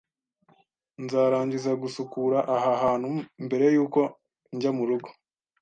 Nzarangiza gusukura aha hantu mbere yuko njya murugo